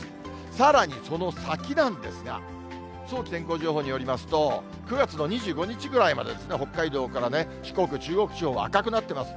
さらにその先なんですが、早期天候情報によりますと、９月の２５日ぐらいまで、北海道から四国、中国地方は赤くなってます。